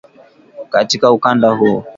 Katika ukanda huo